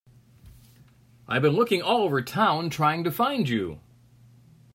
I've been looking all over town trying to find you.